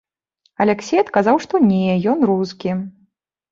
Аляксей адказаў, што не, ён рускі.